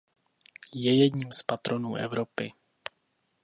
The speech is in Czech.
Je jedním z patronů Evropy.